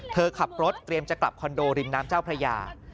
เธอขับรถเตรียมจะกลับคอนโดริมน้ำเจ้าพระยา